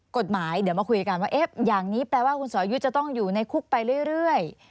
กฎหมายเดี๋ยวมาคุยกันว่าอย่างนี้แปลว่าคุณสอยุทธ์จะต้องอยู่ในคุกไปเรื่อย